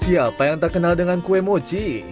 siapa yang tak kenal dengan kue mochi